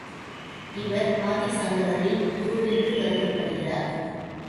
இவர் ஆதிசங்கரரின் குருவென்று கருதப்படுகிறார்.